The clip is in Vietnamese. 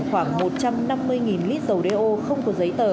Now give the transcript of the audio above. khoảng một trăm năm mươi lít dầu đeo không có giấy tờ